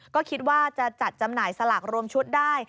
ก็คิดว่าจะจัดจำหน่ายสลากรวมชุดได้